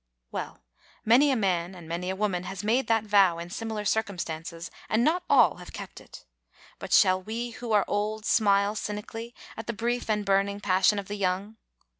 Well, many a man and many a woman has made that vow in similar circumstances, and not all have kept it. But shall we who are old smile cynically at the brief and burning passion of the young?